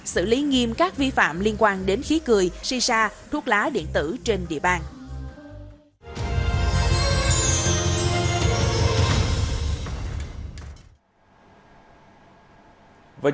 xử lý nghiêm các vi phạm liên quan đến khí cười shisha thuốc lá điện tử trên địa bàn